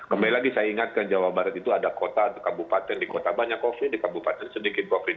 kembali lagi saya ingatkan jawa barat itu ada kota atau kabupaten di kota banyak covid di kabupaten sedikit covid